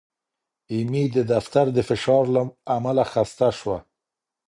ایمي د دفتر د فشار له امله خسته شوه.